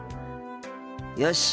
よし。